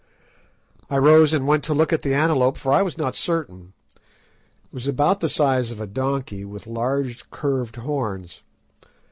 I rose and went to look at the antelope, for I was not certain. It was about the size of a donkey, with large curved horns.